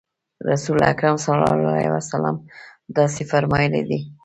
رسول اکرم صلی الله علیه وسلم داسې فرمایلي دي.